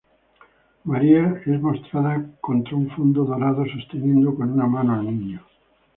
María es mostrada contra un fondo dorado, sosteniendo con una mano al Niño.